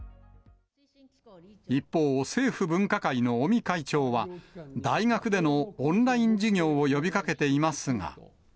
一方、政府分科会の尾身会長は、大学でのオンライン授業を呼びかけていますが。